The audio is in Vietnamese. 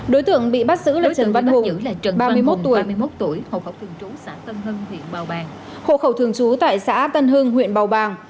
đối tượng bị bắt xử là trần văn hùng ba mươi một tuổi hộ khẩu thường trú tại xã tân hưng huyện bào bàng